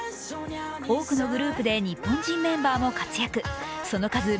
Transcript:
多くのグループで日本人メンバーも活躍。